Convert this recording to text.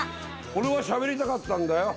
俺はしゃべりたかったんだよ。